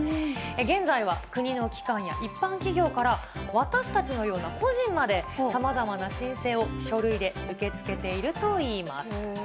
現在は国の機関や一般企業から、私たちのような個人まで、さまざまな申請を書類で受け付けているといいます。